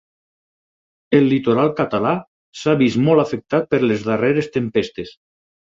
El litoral català s'ha vist molt afectat per les darreres tempestes.